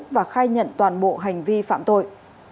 và khai nhận toàn bộ hành vi phạm tội